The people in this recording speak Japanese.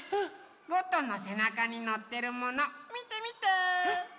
ゴットンのせなかにのってるものみてみて！